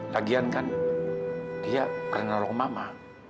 lagian kan dia pernah nolong mama